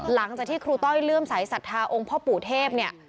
หลังจากที่ครูต้อยเลื่อมสายศรัทธาองค์พ่อปู่เทพเนี่ย